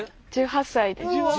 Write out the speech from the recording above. １８歳です。